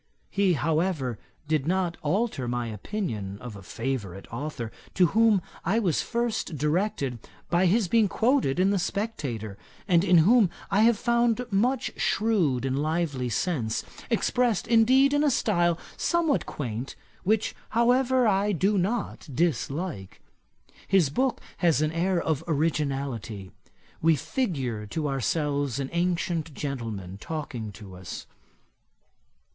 He, however, did not alter my opinion of a favourite authour, to whom I was first directed by his being quoted in The Spectator, and in whom I have found much shrewd and lively sense, expressed indeed in a style somewhat quaint, which, however, I do not dislike. His book has an air of originality. We figure to ourselves an ancient gentleman talking to us.